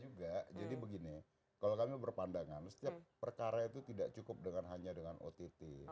juga jadi begini kalau kami berpandangan setiap perkara itu tidak cukup dengan hanya dengan ott